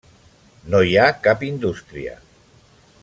No hi ha cap indústria.